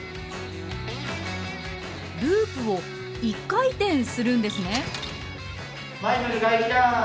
ループを１回転するんですね。